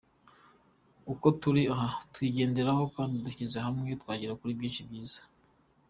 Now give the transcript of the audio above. Uko turi aha twabigenderaho, kandi dushyize hamwe twagera kuri byinshi byiza.